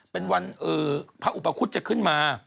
เป็นวันพระอุปคุฎจะขึ้นมา